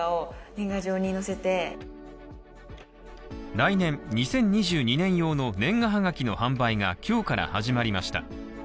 来年２０２２年用の年賀はがきの販売が今日から始まりました。